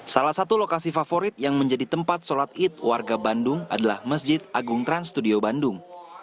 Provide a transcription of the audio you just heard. salah satu lokasi favorit yang menjadi tempat sholat id warga bandung adalah masjid agung trans studio bandung